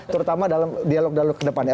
terutama dalam dialog dialog ke depannya